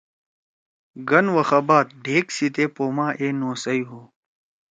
گن وخہ بعد ڈھیگ سی تے پو ما اے نوسئ ہُو۔